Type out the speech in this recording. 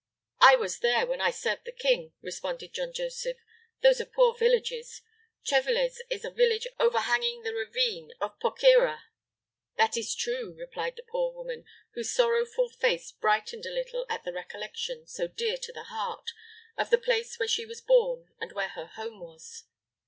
"I was there when I served the king," responded John Joseph. "Those are poor villages. Treveles is a village overhanging the ravine of Poqueira." "That is true," replied the poor woman, whose sorrowful face brightened a little at the recollection, so dear to the heart, of the place where she was born and where her home was.